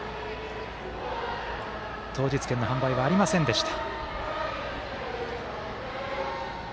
当日券の販売はありませんでした。